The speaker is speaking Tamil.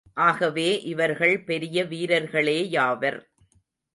ஆகவே, இவர்கள் பெரிய வீரர்களேயாவர்.